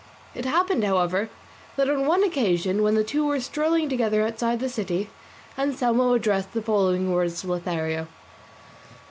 It happened, however, that on one occasion when the two were strolling together outside the city, Anselmo addressed the following words to Lothario.